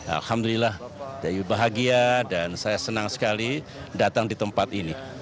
alhamdulillah deyu bahagia dan saya senang sekali datang di tempat ini